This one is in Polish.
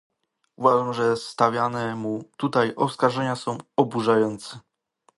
Uważam, że stawiane mu tutaj oskarżenia są oburzające